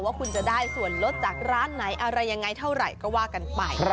ว่าคุณจะได้ส่วนลดจากร้านไหนอะไรยังไงเท่าไหร่ก็ว่ากันไป